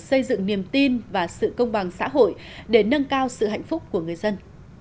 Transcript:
xây dựng niềm tin và sự công bằng xã hội để nâng cao sự hạnh phúc của người dân